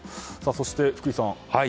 そして福井さん。